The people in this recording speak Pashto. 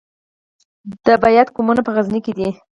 د بیات قومونه په غزني کې دي